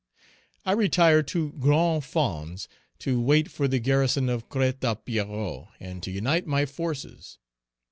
I retired to Grand Fonds to wait for the garrison of Crête à Pierrot and to unite my forces.